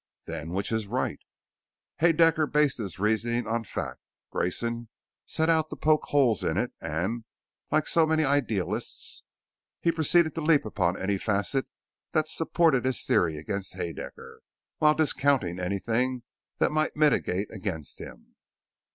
"Then which is right?" "Haedaecker based his reasoning on fact. Grayson set out to poke holes in it and like so many idealists he proceeded to leap upon any facet that supported his theory against Haedaecker, while discounting anything that mitigated against him.